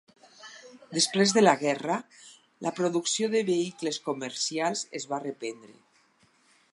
Després de la guerra, la producció de vehicles comercials es va reprendre.